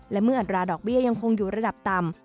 และเมื่ออัตราดอกเบี้ยยังคงอยู่ระดับต่ำ